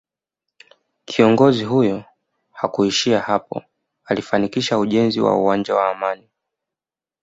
Kiongozi huyo hakuishia hapo alifanikisha ujenzi wa uwanja wa Amani